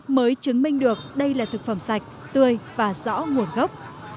mới chứng minh được đây là thực phẩm sạch tươi và rõ nguồn gốc